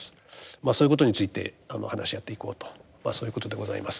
まあそういうことについて話し合っていこうとまあそういうことでございます。